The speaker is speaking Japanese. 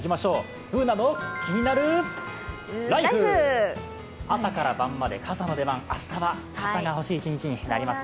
「ＢｏｏｎａのキニナルＬＩＦＥ」朝から晩まで傘の出番明日は傘が必要な日になりそうです。